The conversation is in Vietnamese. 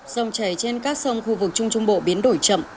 dòng chảy trên các sông khu vực trung trung bộ biến đổi chậm